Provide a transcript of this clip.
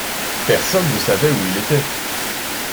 Personne ne savait où il était.